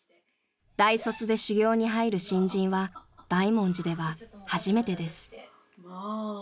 ［大卒で修業に入る新人は大文字では初めてです］